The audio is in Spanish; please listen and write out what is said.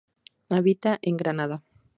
Habita en Granada.